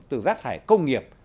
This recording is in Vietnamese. từ rác thải công nghiệp